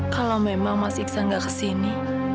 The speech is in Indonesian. kalau memang mas iksan nggak kesini